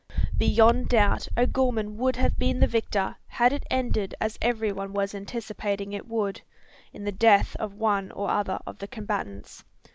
Beyond doubt, O'Gorman would have been the victor, had it ended as every one was anticipating it would, in the death of one or other of the combatants.